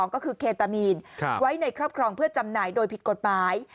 ก็คือเคตามีนไว้ในครอบครองเพื่อจำหน่ายโดยผิดกฎหมาย